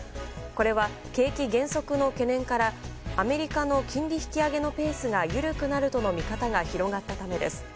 これは景気減速の懸念からアメリカの金利引き上げのペースが緩くなるとの見方が広がったためです。